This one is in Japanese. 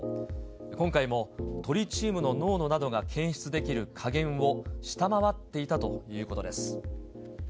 今回もトリチウムの濃度などが検出できる下限を下回っていたということです。